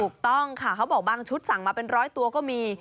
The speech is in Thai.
ถูกต้องค่ะเขาบอกบางชุดสั่งมาเป็นร้อยตัวก็มี